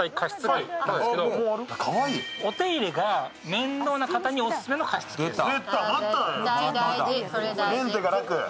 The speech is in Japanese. お手入れが面倒な方にオススメの加湿器です。